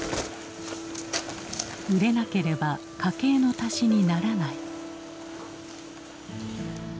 売れなければ家計の足しにならない。